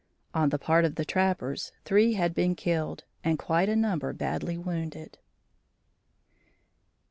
On the part of the trappers three had been killed and quite a number badly wounded.